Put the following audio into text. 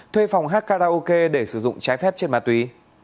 thuê phòng hát karaoke để sử dụng trái phép trên ma túy